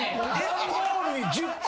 ダンボールに１０個？